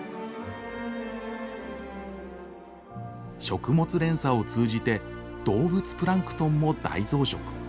食物連鎖を通じて動物プランクトンも大増殖。